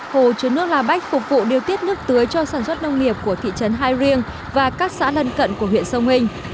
hồ chứa nước la bách phục vụ điều tiết nước tưới cho sản xuất nông nghiệp của thị trấn hai riêng và các xã lân cận của huyện sông hình